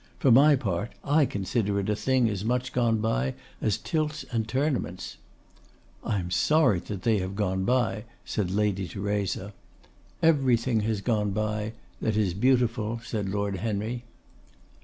For my part I consider it a thing as much gone by as tilts and tournaments.' 'I am sorry that they have gone by,' said Lady Theresa. 'Everything has gone by that is beautiful,' said Lord Henry.